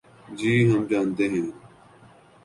جی ہم جانتے ہیں۔